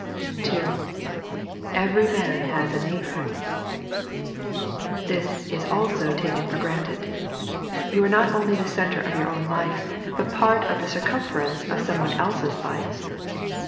(2) Every ma/n has a n«ig/thour. This is also taken for granted. You are not only the centre of your own life, but part of tlie circumference of someone else's life.